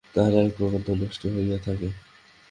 তাহারা একপ্রকার ধ্যানস্থ হইয়া থাকে।